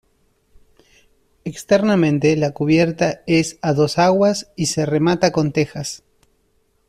Externamente la cubierta es a dos aguas y se remata con tejas.